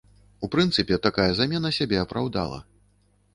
У прынцыпе, такая замена сябе апраўдала.